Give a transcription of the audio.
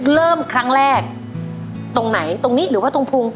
เริ่มครั้งแรกตรงไหนตรงนี้หรือว่าตรงภูมิ